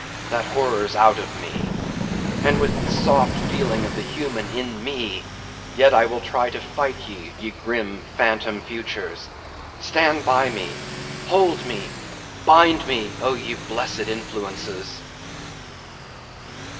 that horror's out of me! and with the soft feeling of the human in me, yet will I try to fight ye, ye grim, phantom futures! Stand by me, hold me, bind me, O ye blessed influences!